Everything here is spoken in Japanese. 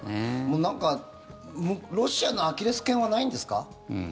なんか、ロシアのアキレス腱はないんですか？